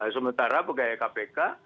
sementara pegawai kpk